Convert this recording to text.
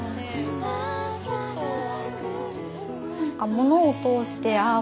ものを通してああ